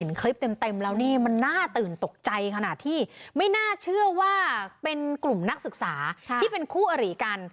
เห็นคลิปเต็มแล้วนี่มันน่าตื่นตกใจขนาดที่ไม่น่าเชื่อว่าเป็นกลุ่มนักศึกษาที่เป็นคู่อริกัน